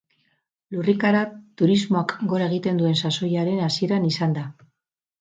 Lurrikara turismoak gora egiten duen sasoiaren hasieran izan da.